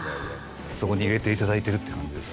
そこに入れていただいているという感じです。